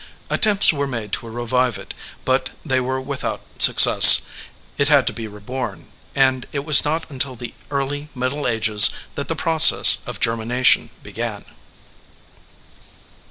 Attempts were made to revive it, bnt they were without success. It had to be reborn. And it was not until the early middle ages that the process of germination began.